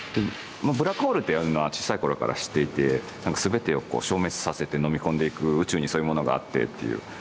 ブラックホールというのは小さい頃から知っていて全てを消滅させてのみ込んでいく宇宙にそういうものがあってっていう。